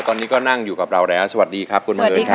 ตอนนี้ก็นั่งอยู่กับเราแล้วสวัสดีครับคุณบังเอิญครับ